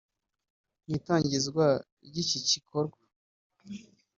Mu itangizwa ry’iki gikorwa